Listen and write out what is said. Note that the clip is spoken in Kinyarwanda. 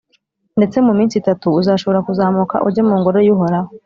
ndetse mu minsi itatu uzashobora kuzamuka ujye mu Ngoro y’Uhoraho.